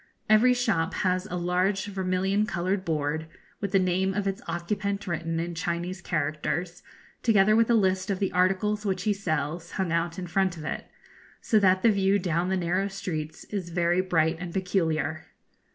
Every shop has a large vermilion coloured board, with the name of its occupant written in Chinese characters, together with a list of the articles which he sells, hung out in front of it, so that the view down the narrow streets is very bright and peculiar.